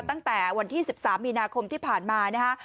ตั้งแต่วันที่๑๓มีนาคมที่ผ่านมานะฮะ